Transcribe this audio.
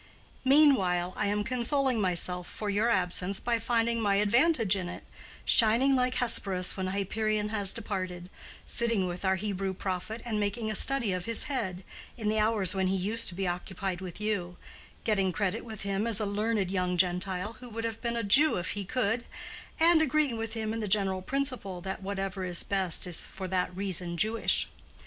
Meanwhile I am consoling myself for your absence by finding my advantage in it—shining like Hesperus when Hyperion has departed; sitting with our Hebrew prophet, and making a study of his head, in the hours when he used to be occupied with you—getting credit with him as a learned young Gentile, who would have been a Jew if he could —and agreeing with him in the general principle, that whatever is best is for that reason Jewish.